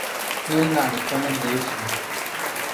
Mili ni alifa ni piyefuu.